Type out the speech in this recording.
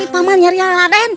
paman hari hari uang raden